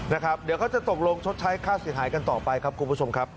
นะครับเดี๋ยวเขาจะตกลงชดใช้ค่าเสียหายกันต่อไปครับคุณผู้ชมครับ